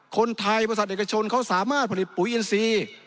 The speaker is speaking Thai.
บริษัทเอกชนเขาสามารถผลิตปุ๋ยอินทรีย์